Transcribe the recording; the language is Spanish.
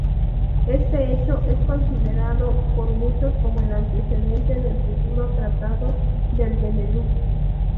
Este hecho es considerado por muchos como el antecedente del futuro tratado del Benelux.